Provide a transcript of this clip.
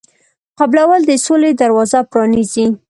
قبلول د سولې دروازه پرانیزي.